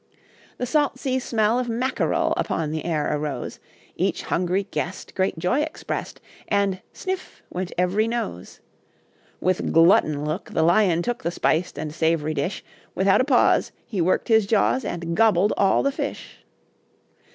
The salt sea smell Of Mackerel, Upon the air arose; Each hungry guest Great joy expressed, And "sniff!" went every nose. With glutton look The Lion took The spiced and sav'ry dish. Without a pause He worked his jaws, And gobbled all the fish.